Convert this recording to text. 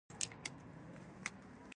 پټ ځواکونه به تر ایرو لاندې پاتې شي.